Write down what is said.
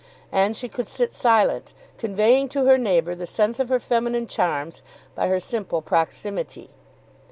And she could sit silent, conveying to her neighbour the sense of her feminine charms by her simple proximity.